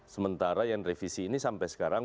sementara yang revisi ini sampai sekarang